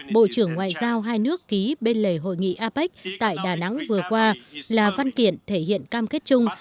bộ trưởng ngoại giao hai nước ký bên lề hội nghị apec tại đà nẵng vừa qua là văn kiện thể hiện cam kết chung